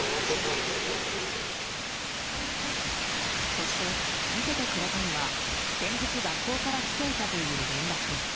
そして、見せてくれたのは先日学校から来ていたという連絡。